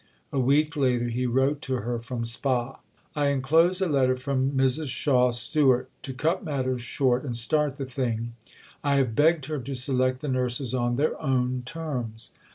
A week later, he wrote to her from Spa: I enclose a letter from Mrs. Shaw Stewart. To cut matters short and start the thing, I have begged her to select the nurses on their own terms.